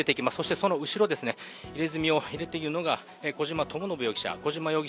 その後ろ、入れ墨を入れているのが小島智信容疑者。